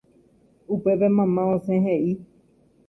Upépe mamá osẽ he'i